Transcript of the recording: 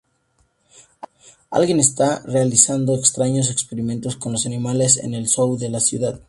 Alguien está realizando extraños experimentos con los animales en el zoo de la ciudad.